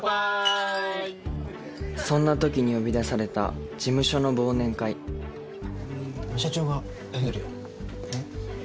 そんな時に呼び出された事務所の忘年会えっ？